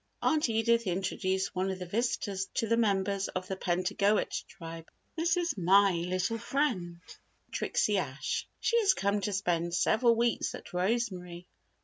Aunt Edith introduced one of the visitors to the members of the Pentagoet Tribe. "This is my little friend Trixie Ashe she has come to spend several weeks at Rosemary."